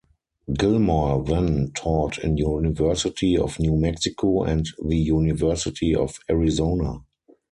Gillmor then taught in University of New Mexico and the University of Arizona.